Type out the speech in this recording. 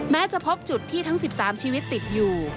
จะพบจุดที่ทั้ง๑๓ชีวิตติดอยู่